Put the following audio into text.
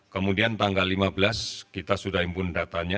kemudian tanggal lima belas kita sudah impun datanya